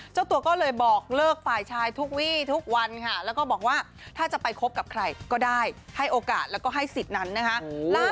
เจ้าตัวก็เลยบอกเลิกฝ่ายชายทุกวี่ทุกวันค่ะแล้วก็บอกว่าถ้าจะไปคบกับใครก็ได้ให้โอกาสแล้วก็ให้สิทธิ์นั้นนะคะ